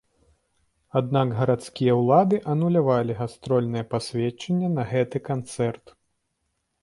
Аднак гарадскія ўлады анулявалі гастрольнае пасведчанне на гэты канцэрт.